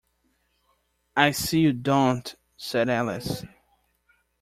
‘I see you don’t,’ said Alice.